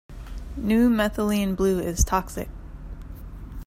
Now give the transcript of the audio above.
New methylene blue is toxic.